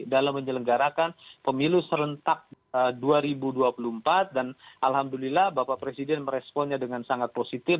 dalam menyelenggarakan pemilu serentak dua ribu dua puluh empat dan alhamdulillah bapak presiden meresponnya dengan sangat positif